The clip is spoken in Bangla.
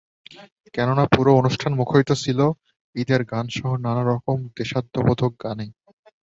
কেননা পুরো অনুষ্ঠান মুখরিত ছিল ঈদের গানসহ নানা রকম দেশাত্মবোধক গানে।